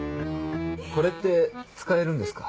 これって使えるんですか？